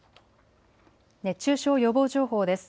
熱中症予防情報です。